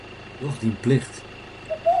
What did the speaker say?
Doch dyn plicht.